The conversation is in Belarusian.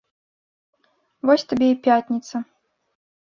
Вось табе і пятніца!